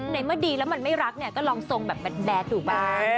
ในเมื่อดีแล้วมันไม่รักเนี่ยก็ลองทรงแบบแดดดูบ้าง